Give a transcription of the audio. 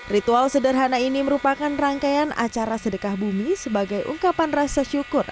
ritual sederhana ini merupakan rangkaian acara sedekah bumi sebagai ungkapan rasa syukur